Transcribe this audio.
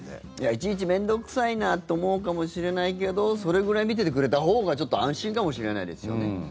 いちいち面倒臭いなと思うかもしれないけどそれぐらい見ててくれたほうがちょっと安心かもしれないですよね。